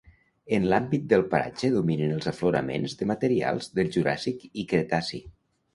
En l'àmbit del paratge dominen els afloraments de materials del Juràssic i cretaci.